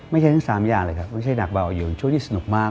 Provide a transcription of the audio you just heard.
ทั้ง๓อย่างเลยครับไม่ใช่หนักเบาอยู่ช่วงที่สนุกมาก